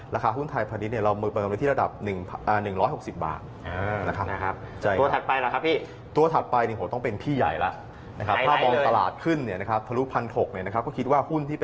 ราคาหุ้นไทยพาณิชย์เรามือประมาณที่ระดับ๑๖๐บาท